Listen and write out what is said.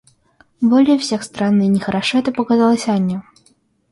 Более всех странно и нехорошо это показалось Анне.